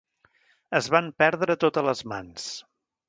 Es van perdre totes les mans.